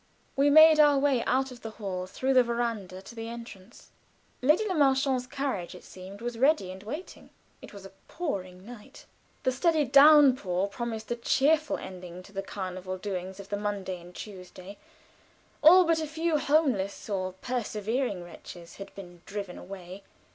We made our way out of the hall through the veranda to the entrance. Lady Le Merchant's carriage, it seemed, was ready and waiting. It was a pouring night. The thaw had begun. The steady downpour promised a cheerful ending to the carnival doings of the Monday and Tuesday; all but a few homeless or persevering wretches had been driven away.